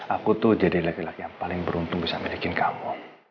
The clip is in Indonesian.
aku tuh jadi laki laki yang paling beruntung bisa milikin kamu